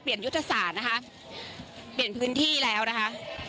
ยุทธศาสตร์นะคะเปลี่ยนพื้นที่แล้วนะคะ